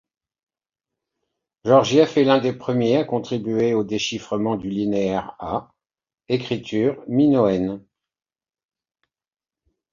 Georgiev est l'un des premiers à contribuer au déchiffrement du linéaire A, écriture minoenne.